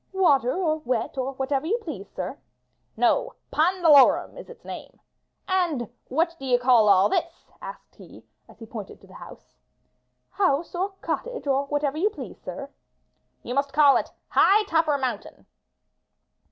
''Water or wet, or whatever you please, sir." *'No, 'pondalorum' is its name. And what do you call all this?" asked he, as he pointed to the house. "House or cottage, or whatever you please, sir." "You must call it 'high topper mountain.'